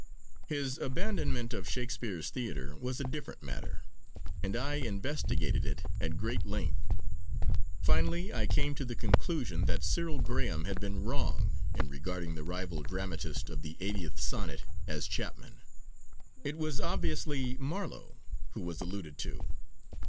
His abandonment of Shakespeare's theatre was a different matter, and I investigated it at great length. Finally I came to the conclusion that Cyril Graham had been wrong in regarding the rival dramatist of the 80th Sonnet as Chapman. It was obviously Marlowe who was alluded to.